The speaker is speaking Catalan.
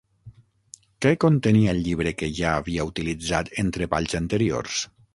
Què contenia el llibre que ja havia utilitzat en treballs anteriors?